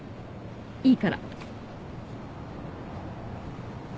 いいから。